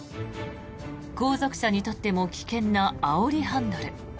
後続車にとっても危険なあおりハンドル。